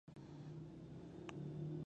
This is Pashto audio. د عامه شتمنیو ساتنه د هر وګړي ایماني دنده ده.